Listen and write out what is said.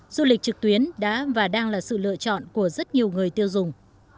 du lịch trực tuyến đã và đang là sự lựa chọn của rất nhiều người tiêu dùng